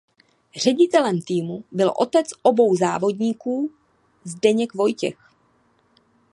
Ředitelem týmu byl otec obou závodníků Zdeněk Vojtěch.